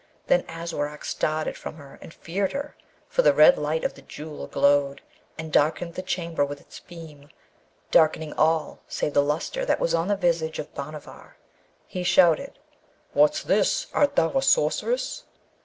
Then Aswarak started from her and feared her, for the red light of the Jewel glowed, and darkened the chamber with its beam, darkening all save the lustre that was on the visage of Bhanavar. He shouted, 'What's this! Art thou a sorceress?'